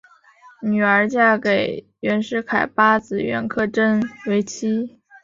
女儿嫁给袁世凯八子袁克轸为妻。